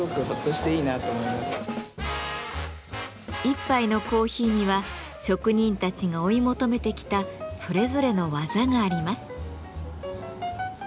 一杯のコーヒーには職人たちが追い求めてきたそれぞれの技があります。